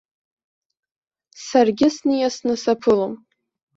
Саргьы сниасны саԥылом.